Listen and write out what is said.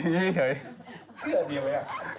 เชื่อดีไหมอ่ะ